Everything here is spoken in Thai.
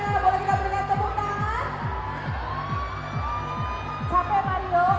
มันมีอีกหนึ่งแล้วมันมีอีกหนึ่ง